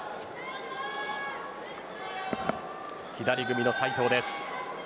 左組みの斉藤です。